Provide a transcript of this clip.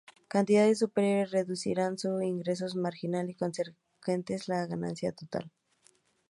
Cantidades superiores reducirían su ingreso marginal y, consecuentemente, la ganancia total.